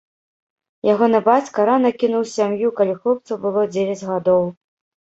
Ягоны бацька рана кінуў сям'ю, калі хлопцу было дзевяць гадоў.